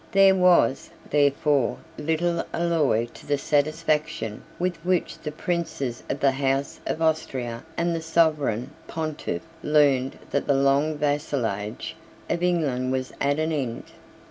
There was, therefore, little alloy to the satisfaction with which the princes of the House of Austria and the Sovereign Pontiff learned that the long vassalage of England was at an end.